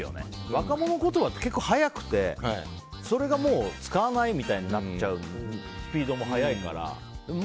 若者言葉って結構早くてそれがもう使わないみたいになっちゃうスピードも早いから。